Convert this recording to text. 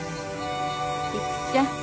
育ちゃん。